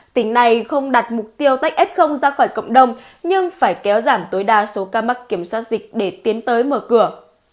tỉnh này không đặt mục tiêu tách f ra khỏi cộng đồng nhưng phải kéo giảm tối đa số ca mắc kiểm soát dịch để tiến tới mở cửa